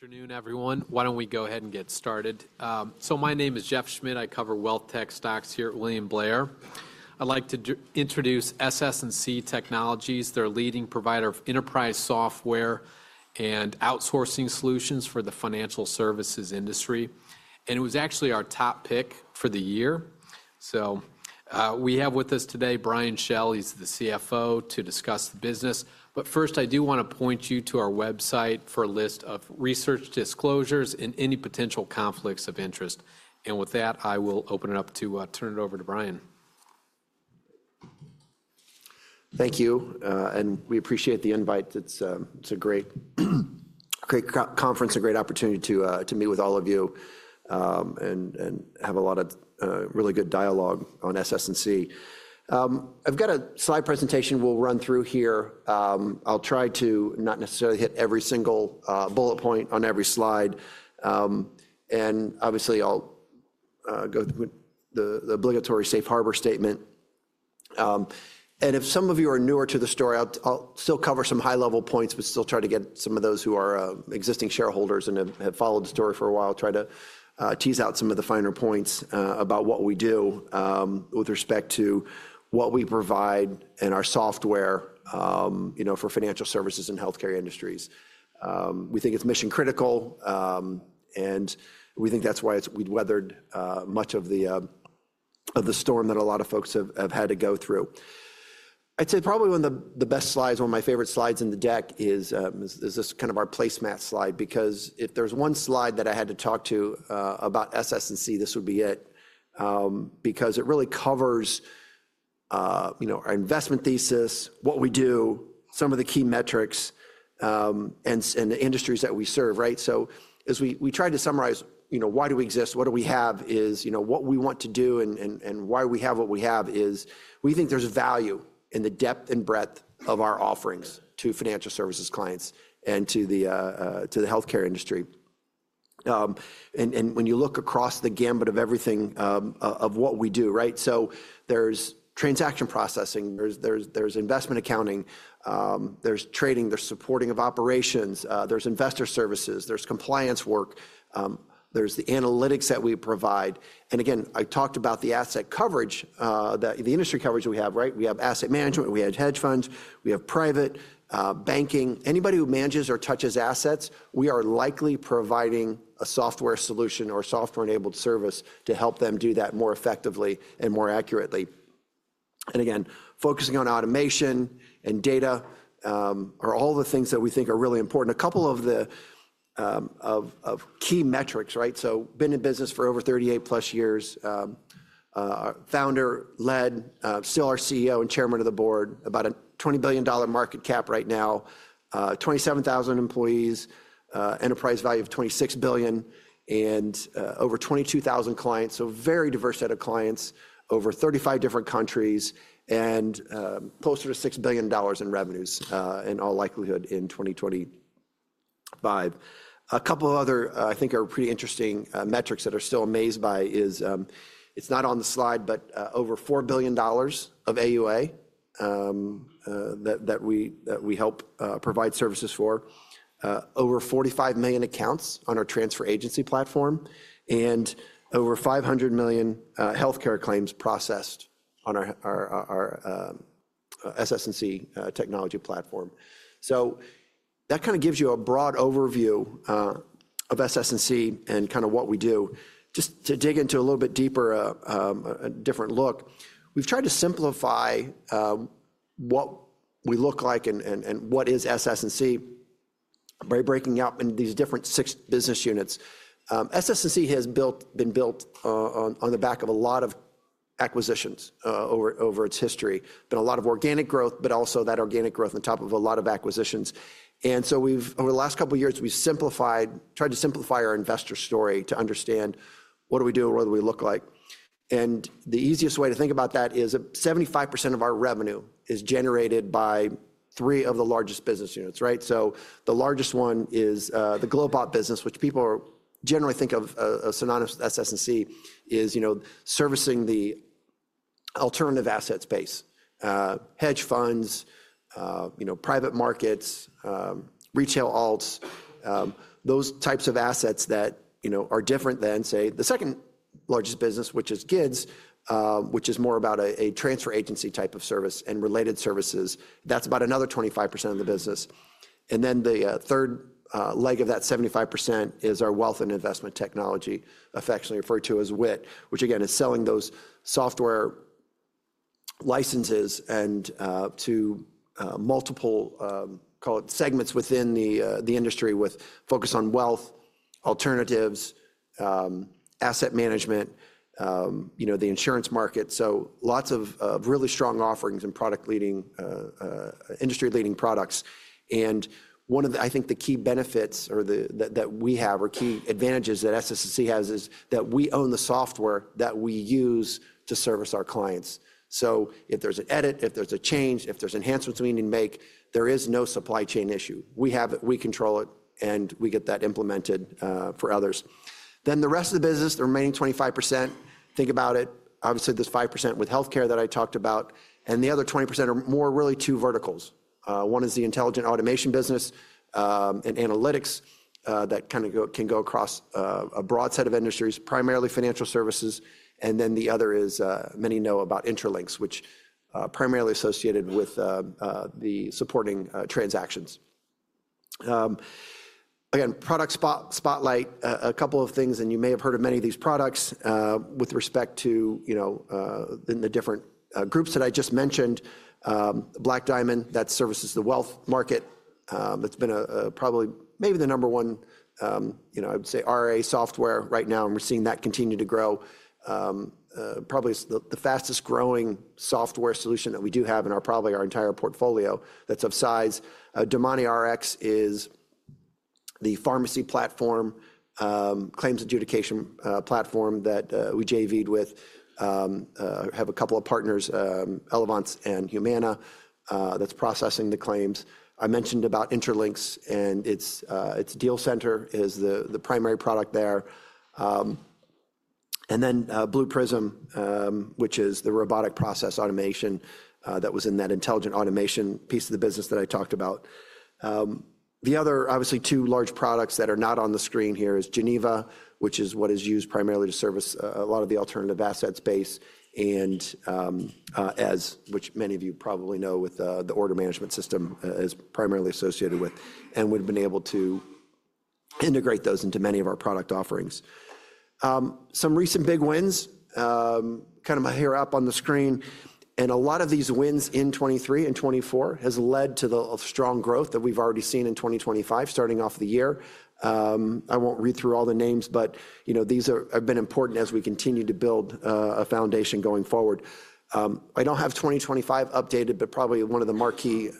Good afternoon, everyone. Why don't we go ahead and get started? My name is Jeff Schmitt. I cover wealth tech stocks here at William Blair. I'd like to introduce SS&C Technologies. They're a leading provider of enterprise software and outsourcing solutions for the financial services industry. It was actually our top pick for the year. We have with us today Brian Schell. He's the CFO to discuss the business. First, I do want to point you to our website for a list of research disclosures and any potential conflicts of interest. With that, I will open it up to turn it over to Brian. Thank you. We appreciate the invite. It's a great conference, a great opportunity to meet with all of you and have a lot of really good dialogue on SS&C. I've got a slide presentation we'll run through here. I'll try to not necessarily hit every single bullet point on every slide. Obviously, I'll go through the obligatory safe harbor statement. If some of you are newer to the story, I'll still cover some high-level points, but still try to get some of those who are existing shareholders and have followed the story for a while try to tease out some of the finer points about what we do with respect to what we provide and our software for financial services and healthcare industries. We think it's mission-critical. We think that's why we've weathered much of the storm that a lot of folks have had to go through. I'd say probably one of the best slides, one of my favorite slides in the deck, is this kind of our placemat slide. If there's one slide that I had to talk to about SS&C, this would be it. It really covers our investment thesis, what we do, some of the key metrics, and the industries that we serve. As we try to summarize, why do we exist, what do we have, is what we want to do, and why we have what we have is we think there's value in the depth and breadth of our offerings to financial services clients and to the healthcare industry. When you look across the gambit of everything of what we do, there is transaction processing, there is investment accounting, there is trading, there is supporting of operations, there is investor services, there is compliance work, there is the analytics that we provide. I talked about the asset coverage, the industry coverage we have. We have asset management, we have hedge funds, we have private banking. Anybody who manages or touches assets, we are likely providing a software solution or software-enabled service to help them do that more effectively and more accurately. Focusing on automation and data are all the things that we think are really important. A couple of the key metrics, been in business for over 38-plus years, founder led, still our CEO and chairman of the board, about a $20 billion market cap right now, 27,000 employees, enterprise value of $26 billion, and over 22,000 clients. A very diverse set of clients over 35 different countries and closer to $6 billion in revenues in all likelihood in 2025. A couple of other I think are pretty interesting metrics that I am still amazed by is it's not on the slide, but over $4 billion of AUA that we help provide services for, over 45 million accounts on our transfer agency platform, and over 500 million healthcare claims processed on our SS&C Technologies platform. That kind of gives you a broad overview of SS&C and kind of what we do. Just to dig into a little bit deeper, a different look, we've tried to simplify what we look like and what is SS&C by breaking out into these different six business units. SS&C has been built on the back of a lot of acquisitions over its history, been a lot of organic growth, but also that organic growth on top of a lot of acquisitions. Over the last couple of years, we've tried to simplify our investor story to understand what do we do and what do we look like. The easiest way to think about that is 75% of our revenue is generated by three of the largest business units. The largest one is the GlobeOp business, which people generally think of as synonymous with SS&C, is servicing the alternative assets space, hedge funds, private markets, retail alts, those types of assets that are different than, say, the second largest business, which is GIDS, which is more about a transfer agency type of service and related services. That's about another 25% of the business. The third leg of that 75% is our wealth and investment technology, affectionately referred to as WIT, which again is selling those software licenses to multiple, call it segments within the industry with focus on wealth, alternatives, asset management, the insurance market. Lots of really strong offerings and industry-leading products. One of the, I think, the key benefits or that we have or key advantages that SS&C has is that we own the software that we use to service our clients. If there is an edit, if there is a change, if there are enhancements we need to make, there is no supply chain issue. We have it, we control it, and we get that implemented for others. The rest of the business, the remaining 25%, think about it. Obviously, there is 5% with healthcare that I talked about. The other 20% are more really two verticals. One is the intelligent automation business and analytics that kind of can go across a broad set of industries, primarily financial services. The other is many know about Intralinks, which are primarily associated with the supporting transactions. Again, product spotlight, a couple of things, and you may have heard of many of these products with respect to the different groups that I just mentioned. Black Diamond, that services the wealth market. That's been probably maybe the number one, I would say, RA software right now. We're seeing that continue to grow. Probably the fastest growing software solution that we do have in probably our entire portfolio that's of size. DemoniRx is the pharmacy platform, claims adjudication platform that we JVed with. Have a couple of partners, Elevance and Humana, that's processing the claims. I mentioned about Intralinks, and its Deal Center is the primary product there. Blue Prism, which is the robotic process automation that was in that intelligent automation piece of the business that I talked about. The other, obviously, two large products that are not on the screen here is Geneva, which is what is used primarily to service a lot of the alternative assets space. And Eze, which many of you probably know with the order management system, is primarily associated with. We have been able to integrate those into many of our product offerings. Some recent big wins, kind of my hair up on the screen. A lot of these wins in 2023 and 2024 has led to the strong growth that we have already seen in 2025 starting off the year. I will not read through all the names, but these have been important as we continue to build a foundation going forward. I don't have 2025 updated, but probably one of the marquee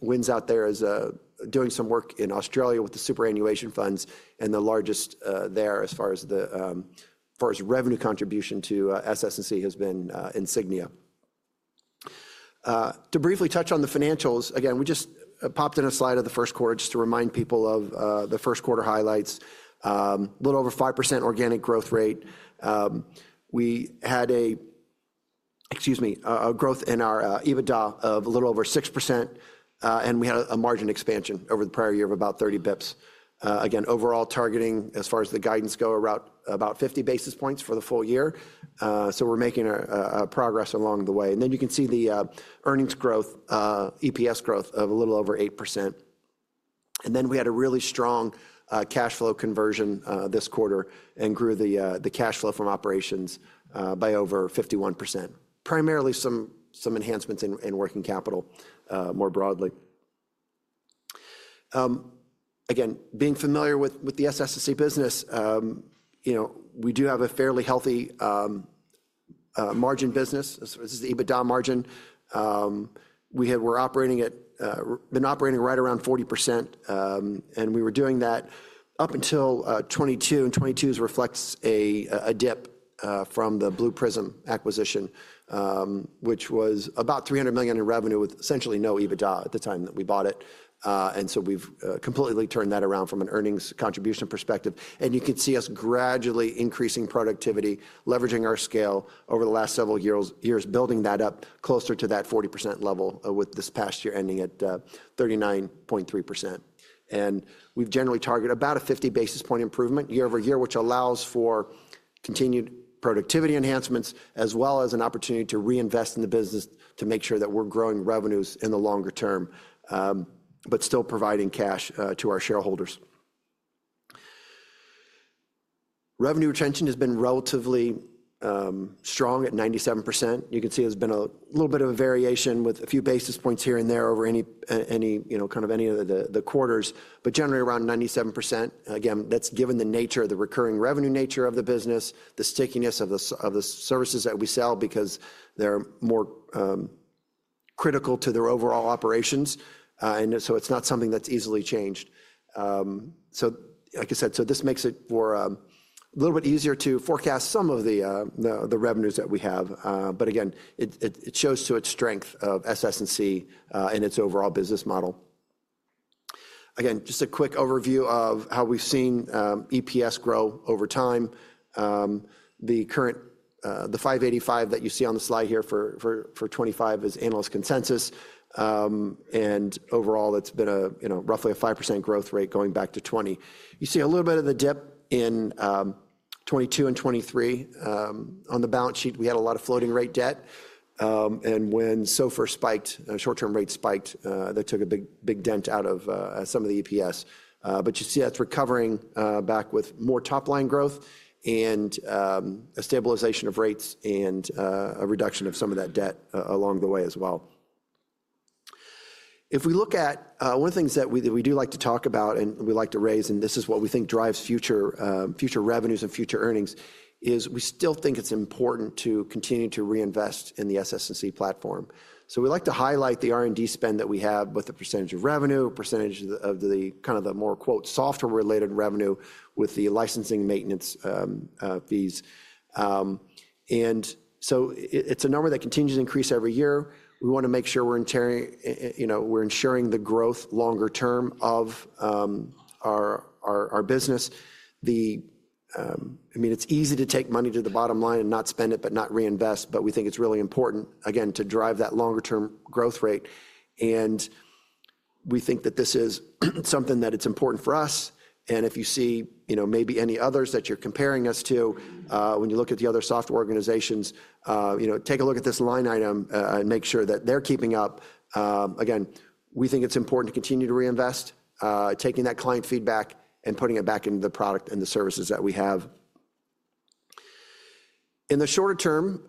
wins out there is doing some work in Australia with the superannuation funds. The largest there as far as revenue contribution to SS&C has been Insignia. To briefly touch on the financials, again, we just popped in a slide of the first quarter just to remind people of the first quarter highlights. A little over 5% organic growth rate. We had a, excuse me, a growth in our EBITDA of a little over 6%. We had a margin expansion over the prior year of about 30 basis points. Overall targeting as far as the guidance go about 50 basis points for the full year. We're making progress along the way. You can see the earnings growth, EPS growth of a little over 8%. We had a really strong cash flow conversion this quarter and grew the cash flow from operations by over 51%. Primarily some enhancements in working capital more broadly. Again, being familiar with the SS&C business, we do have a fairly healthy margin business. This is EBITDA margin. We are operating at, been operating right around 40%. We were doing that up until 2022. 2022 reflects a dip from the Blue Prism acquisition, which was about $300 million in revenue with essentially no EBITDA at the time that we bought it. We have completely turned that around from an earnings contribution perspective. You can see us gradually increasing productivity, leveraging our scale over the last several years, building that up closer to that 40% level with this past year ending at 39.3%. We have generally targeted about a 50 basis point improvement year over year, which allows for continued productivity enhancements as well as an opportunity to reinvest in the business to make sure that we are growing revenues in the longer term, but still providing cash to our shareholders. Revenue retention has been relatively strong at 97%. You can see there has been a little bit of a variation with a few basis points here and there over any of the quarters, but generally around 97%. Again, that is given the nature of the recurring revenue nature of the business, the stickiness of the services that we sell because they are more critical to their overall operations. It is not something that is easily changed. Like I said, this makes it a little bit easier to forecast some of the revenues that we have. Again, it shows to its strength of SS&C and its overall business model. Again, just a quick overview of how we've seen EPS grow over time. The current, the $5.85 that you see on the slide here for 2025 is analyst consensus. Overall, it's been roughly a 5% growth rate going back to 2020. You see a little bit of the dip in 2022 and 2023. On the balance sheet, we had a lot of floating rate debt. When SOFR spiked, short-term rates spiked, that took a big dent out of some of the EPS. You see that's recovering back with more top-line growth and a stabilization of rates and a reduction of some of that debt along the way as well. If we look at one of the things that we do like to talk about and we like to raise, and this is what we think drives future revenues and future earnings, is we still think it's important to continue to reinvest in the SS&C platform. We like to highlight the R&D spend that we have with the % of revenue, % of the kind of the more "software-related revenue" with the licensing maintenance fees. It's a number that continues to increase every year. We want to make sure we're ensuring the growth longer term of our business. I mean, it's easy to take money to the bottom line and not spend it, but not reinvest. We think it's really important, again, to drive that longer-term growth rate. We think that this is something that it's important for us. If you see maybe any others that you're comparing us to, when you look at the other software organizations, take a look at this line item and make sure that they're keeping up. Again, we think it's important to continue to reinvest, taking that client feedback and putting it back into the product and the services that we have. In the shorter term,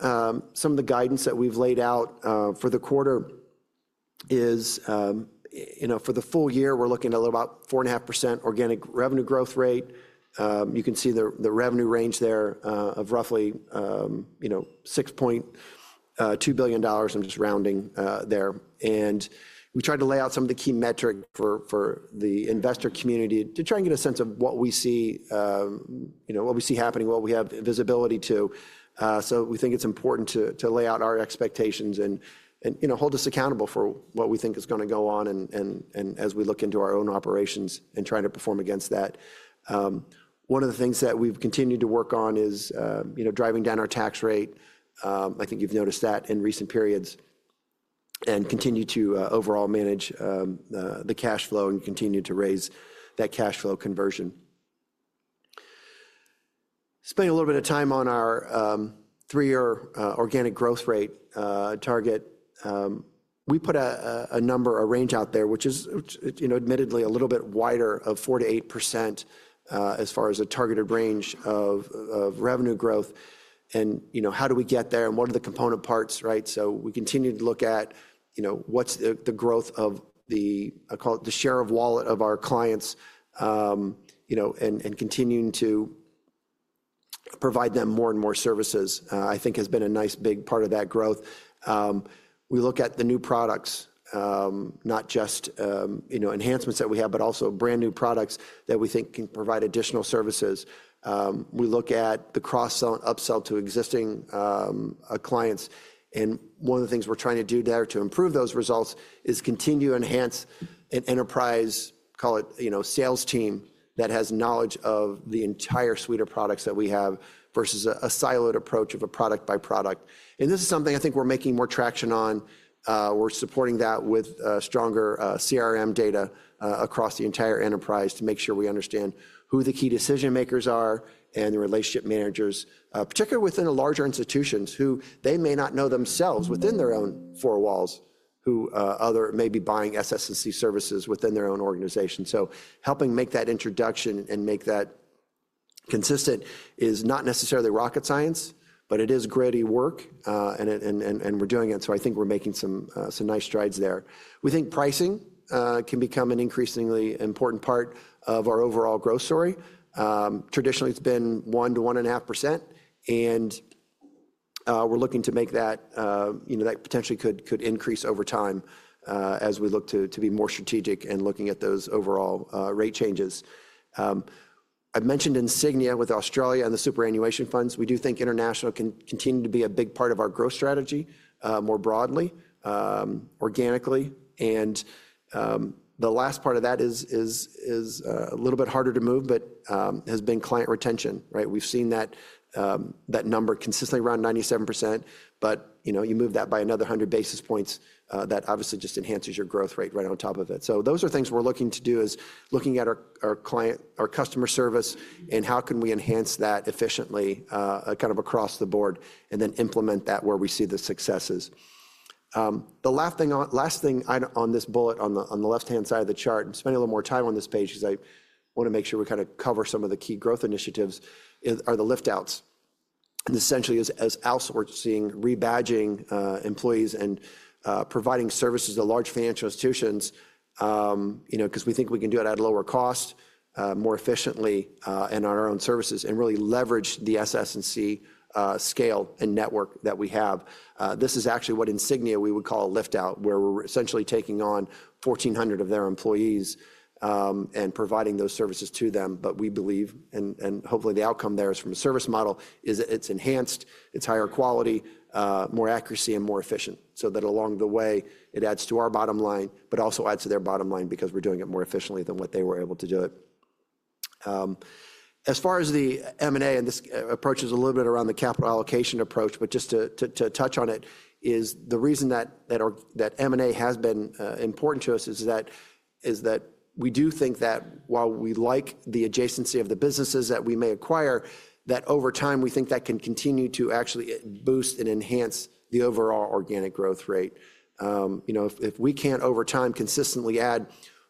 some of the guidance that we've laid out for the quarter is for the full year, we're looking at about 4.5% organic revenue growth rate. You can see the revenue range there of roughly $6.2 billion. I'm just rounding there. We tried to lay out some of the key metrics for the investor community to try and get a sense of what we see, what we see happening, what we have visibility to. We think it's important to lay out our expectations and hold us accountable for what we think is going to go on as we look into our own operations and try to perform against that. One of the things that we've continued to work on is driving down our tax rate. I think you've noticed that in recent periods and continue to overall manage the cash flow and continue to raise that cash flow conversion. Spending a little bit of time on our three-year organic growth rate target, we put a number, a range out there, which is admittedly a little bit wider of 4%-8% as far as a targeted range of revenue growth. How do we get there and what are the component parts? Right? We continue to look at what's the growth of the, I call it the share of wallet of our clients and continuing to provide them more and more services, I think has been a nice big part of that growth. We look at the new products, not just enhancements that we have, but also brand new products that we think can provide additional services. We look at the cross-sell and upsell to existing clients. One of the things we're trying to do there to improve those results is continue to enhance an enterprise, call it sales team that has knowledge of the entire suite of products that we have versus a siloed approach of a product by product. This is something I think we're making more traction on. We're supporting that with stronger CRM data across the entire enterprise to make sure we understand who the key decision makers are and the relationship managers, particularly within the larger institutions who they may not know themselves within their own four walls who may be buying SS&C services within their own organization. Helping make that introduction and make that consistent is not necessarily rocket science, but it is gritty work. We're doing it. I think we're making some nice strides there. We think pricing can become an increasingly important part of our overall growth story. Traditionally, it's been 1%-1.5%. We're looking to make that that potentially could increase over time as we look to be more strategic in looking at those overall rate changes. I've mentioned Insignia with Australia and the superannuation funds. We do think international can continue to be a big part of our growth strategy more broadly, organically. The last part of that is a little bit harder to move, but has been client retention. Right? We've seen that number consistently around 97%. You move that by another 100 basis points, that obviously just enhances your growth rate right on top of it. Those are things we're looking to do, looking at our client, our customer service, and how can we enhance that efficiently kind of across the board and then implement that where we see the successes. The last thing on this bullet on the left-hand side of the chart, spending a little more time on this page because I want to make sure we kind of cover some of the key growth initiatives, are the liftouts. Essentially, as Alice was saying, rebadging employees and providing services to large financial institutions because we think we can do it at a lower cost, more efficiently, and on our own services and really leverage the SS&C scale and network that we have. This is actually what Insignia would call a liftout where we're essentially taking on 1,400 of their employees and providing those services to them. We believe, and hopefully the outcome there is from a service model, is that it's enhanced, it's higher quality, more accuracy, and more efficient so that along the way, it adds to our bottom line, but also adds to their bottom line because we're doing it more efficiently than what they were able to do it. As far as the M&A and this approach is a little bit around the capital allocation approach, but just to touch on it, is the reason that M&A has been important to us is that we do think that while we like the adjacency of the businesses that we may acquire, that over time we think that can continue to actually boost and enhance the overall organic growth rate. If we can't over time consistently add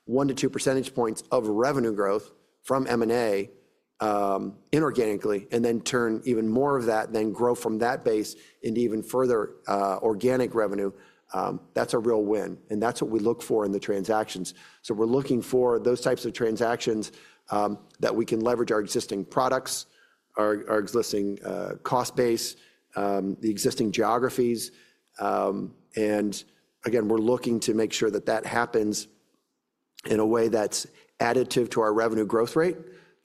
1-2 percentage points of revenue growth from M&A inorganically and then turn even more of that, then grow from that base into even further organic revenue, that's a real win. That's what we look for in the transactions. We are looking for those types of transactions that we can leverage our existing products, our existing cost base, the existing geographies. We're looking to make sure that that happens in a way that's additive to our revenue growth rate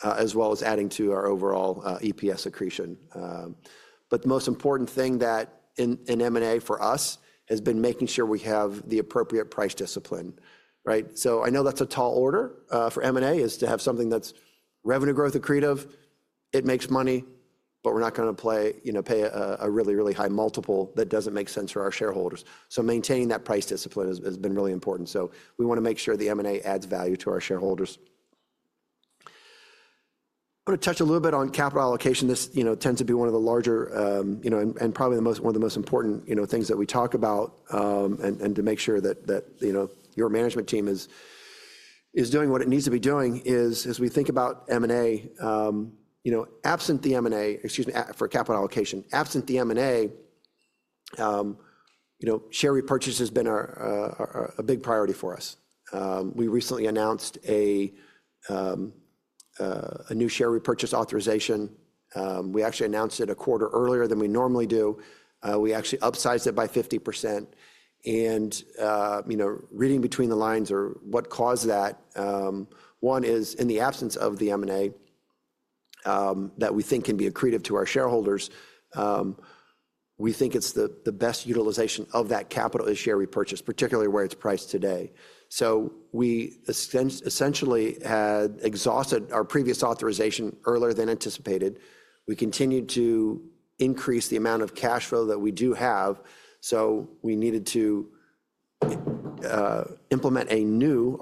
as well as adding to our overall EPS accretion. The most important thing in M&A for us has been making sure we have the appropriate price discipline. Right? I know that's a tall order for M&A, to have something that's revenue growth accretive. It makes money, but we're not going to pay a really, really high multiple that doesn't make sense for our shareholders. Maintaining that price discipline has been really important. We want to make sure the M&A adds value to our shareholders. I want to touch a little bit on capital allocation. This tends to be one of the larger and probably one of the most important things that we talk about, and to make sure that your management team is doing what it needs to be doing is as we think about M&A, absent the M&A, excuse me, for capital allocation, absent the M&A, share repurchase has been a big priority for us. We recently announced a new share repurchase authorization. We actually announced it a quarter earlier than we normally do. We actually upsized it by 50%. And reading between the lines or what caused that, one is in the absence of the M&A that we think can be accretive to our shareholders, we think it's the best utilization of that capital as share repurchase, particularly where it's priced today. We essentially had exhausted our previous authorization earlier than anticipated. We continued to increase the amount of cash flow that we do have. So we needed to implement a new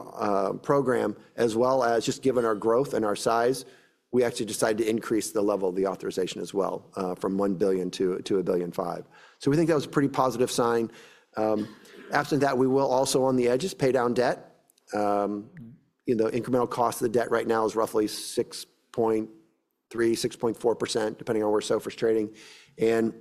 program as well as just given our growth and our size, we actually decided to increase the level of the authorization as well from $1 billion to $1.5 billion. So we think that was a pretty positive sign. Absent that, we will also on the edges pay down debt. Incremental cost of the debt right now is roughly 6.3%-6.4% depending on where SOFR is trading. And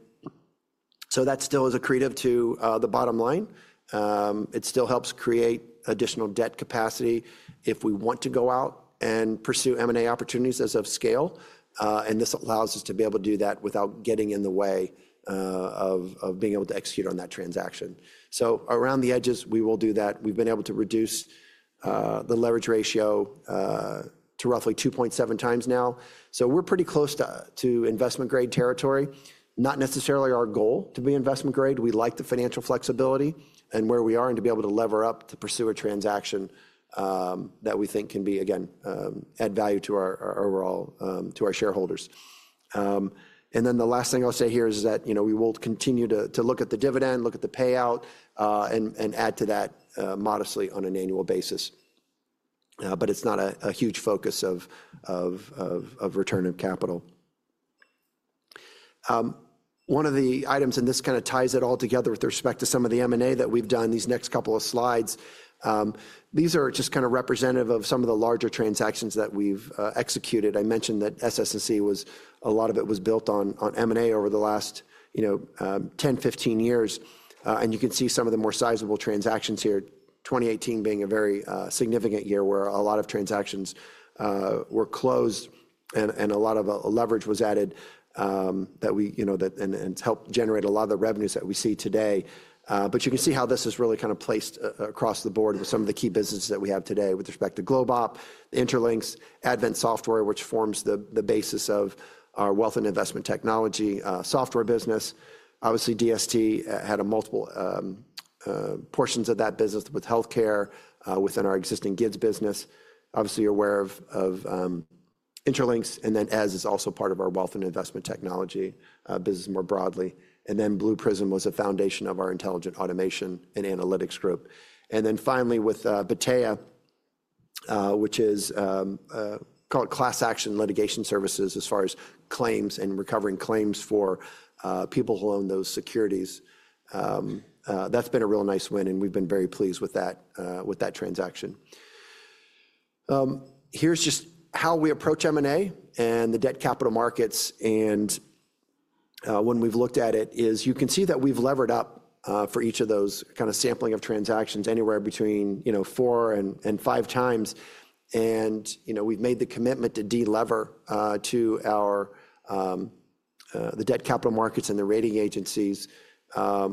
so that still is accretive to the bottom line. It still helps create additional debt capacity if we want to go out and pursue M&A opportunities as of scale. And this allows us to be able to do that without getting in the way of being able to execute on that transaction. So around the edges, we will do that. We've been able to reduce the leverage ratio to roughly 2.7 times now. We are pretty close to investment-grade territory. Not necessarily our goal to be investment-grade. We like the financial flexibility and where we are and to be able to lever up to pursue a transaction that we think can be, again, add value to our overall, to our shareholders. The last thing I'll say here is that we will continue to look at the dividend, look at the payout, and add to that modestly on an annual basis. It is not a huge focus of return of capital. One of the items, and this kind of ties it all together with respect to some of the M&A that we've done, these next couple of slides. These are just kind of representative of some of the larger transactions that we've executed. I mentioned that SS&C was, a lot of it was built on M&A over the last 10, 15 years. You can see some of the more sizable transactions here, 2018 being a very significant year where a lot of transactions were closed and a lot of leverage was added that we and helped generate a lot of the revenues that we see today. You can see how this is really kind of placed across the board with some of the key businesses that we have today with respect to GlobeOp, Intralinks, Advent Software, which forms the basis of our wealth and investment technology software business. Obviously, DST had multiple portions of that business with healthcare within our existing GIDS business. Obviously, you're aware of Intralinks and then Eze is also part of our wealth and investment technology business more broadly. Blue Prism was a foundation of our intelligent automation and analytics group. Finally, with Bateya, which is called Class Action Litigation Services as far as claims and recovering claims for people who own those securities, that's been a real nice win and we've been very pleased with that transaction. Here's just how we approach M&A and the debt capital markets. When we've looked at it, you can see that we've levered up for each of those kind of sampling of transactions anywhere between four and five times. We've made the commitment to de-lever to the debt capital markets and the rating agencies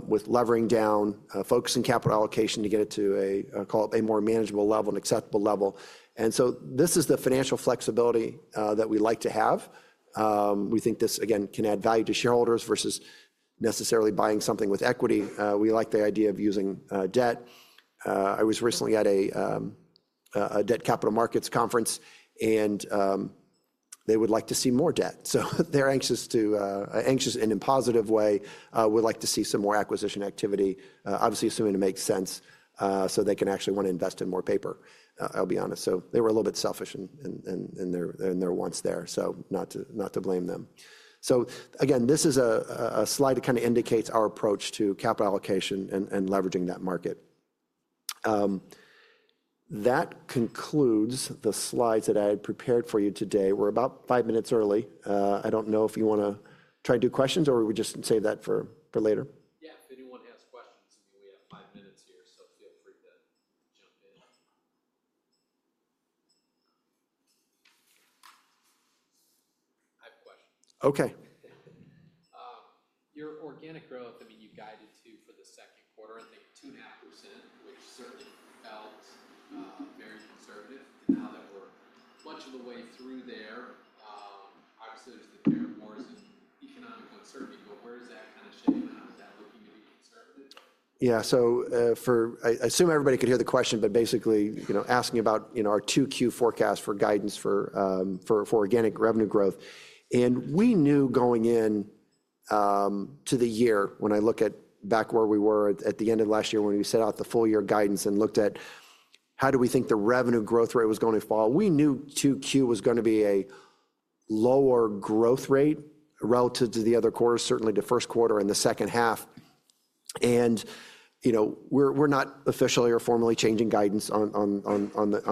with levering down, focusing capital allocation to get it to a, I call it a more manageable level, an acceptable level. This is the financial flexibility that we like to have. We think this, again, can add value to shareholders versus necessarily buying something with equity. We like the idea of using debt. I was recently at a debt capital markets conference and they would like to see more debt. They are anxious to, anxious and in a positive way, would like to see some more acquisition activity, obviously assuming it makes sense so they can actually want to invest in more paper, I'll be honest. They were a little bit selfish in their wants there, not to blame them. This is a slide that kind of indicates our approach to capital allocation and leveraging that market. That concludes the slides that I had prepared for you today. We are about five minutes early. I do not know if you want to try and do questions or we just save that for later. Yeah, if anyone has questions, I mean, we have five minutes here, so feel free to jump in. I have a question. Okay. Your organic growth, I mean, you guided to for the second quarter, I think 2.5%, which certainly felt very conservative. And now that we're much of the way through there, obviously there's the paramours of economic uncertainty, but where is that kind of shaping up? Is that looking to be conservative? Yeah, so for I assume everybody could hear the question, but basically asking about our 2Q forecast for guidance for organic revenue growth. We knew going into the year when I look back at where we were at the end of last year when we set out the full year guidance and looked at how we think the revenue growth rate was going to fall, we knew 2Q was going to be a lower growth rate relative to the other quarter, certainly the first quarter and the second half. We're not officially or formally changing guidance on the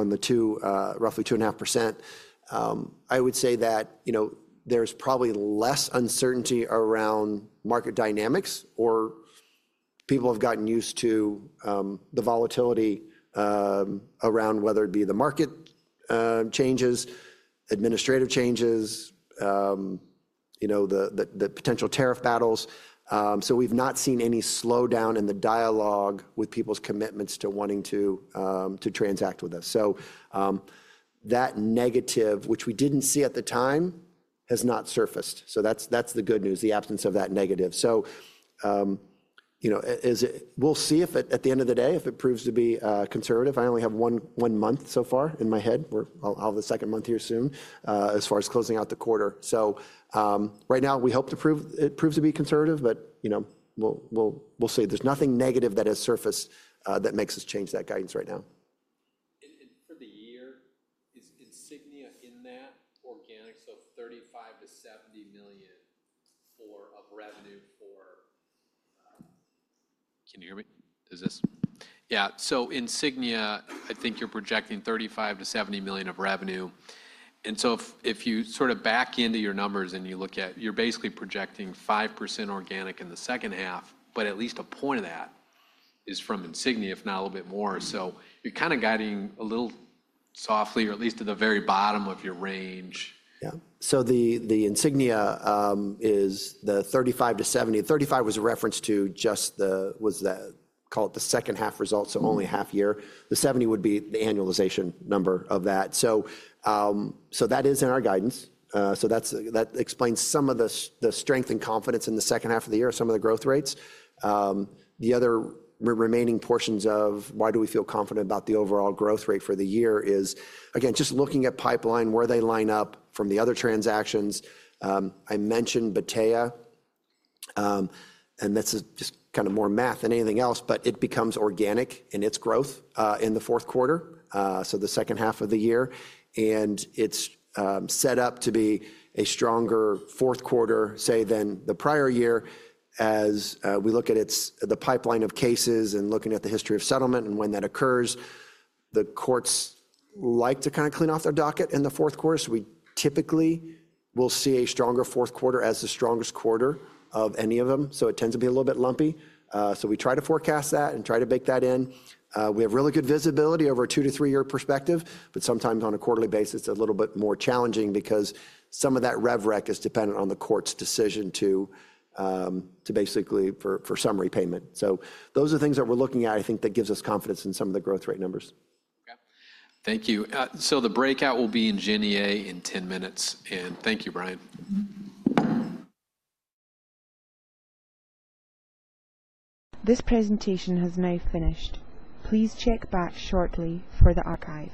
roughly 2.5%. I would say that there's probably less uncertainty around market dynamics or people have gotten used to the volatility around whether it be the market changes, administrative changes, the potential tariff battles. We've not seen any slowdown in the dialogue with people's commitments to wanting to transact with us. That negative, which we did not see at the time, has not surfaced. That's the good news, the absence of that negative. We'll see if at the end of the day, if it proves to be conservative. I only have one month so far in my head. I'll have a second month here soon as far as closing out the quarter. Right now we hope it proves to be conservative, but we'll see. There's nothing negative that has surfaced that makes us change that guidance right now. For the year, is Insignia in that organic? $35 million-$70 million of revenue for—can you hear me? Is this—yeah. Insignia, I think you're projecting $35 million-$70 million of revenue. If you sort of back into your numbers and you look at, you're basically projecting 5% organic in the second half, but at least a point of that is from Insignia, if not a little bit more. You're kind of guiding a little softly, or at least at the very bottom of your range. Yeah. The Insignia is the 35-70. 35 was a reference to just the, was that called the second half results, so only half year. The 70 would be the annualization number of that. That is in our guidance. That explains some of the strength and confidence in the second half of the year, some of the growth rates. The other remaining portions of why do we feel confident about the overall growth rate for the year is, again, just looking at pipeline, where they line up from the other transactions. I mentioned Bateya, and that's just kind of more math than anything else, but it becomes organic in its growth in the fourth quarter, so the second half of the year. It is set up to be a stronger fourth quarter, say, than the prior year as we look at the pipeline of cases and looking at the history of settlement and when that occurs. The courts like to kind of clean off their docket in the fourth quarter. We typically will see a stronger fourth quarter as the strongest quarter of any of them. It tends to be a little bit lumpy. We try to forecast that and try to bake that in. We have really good visibility over a two to three year perspective, but sometimes on a quarterly basis, it's a little bit more challenging because some of that rev rec is dependent on the court's decision to basically for summary payment. Those are things that we're looking at, I think that gives us confidence in some of the growth rate numbers. Okay. Thank you. The breakout will be in jennayey in 10 minutes. Thank you, Brian. This presentation has now finished. Please check back shortly for the archive.